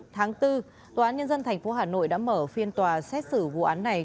tháng bốn tòa án nhân dân tp hà nội đã mở phiên tòa xét xử vụ án này